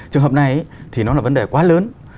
trường hợp này thì nó là vấn đề quá lớn